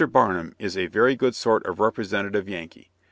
Barnum is a very good sort of representative Yankee.